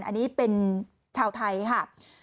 อันนี้เป็นชาวไทยค่ะ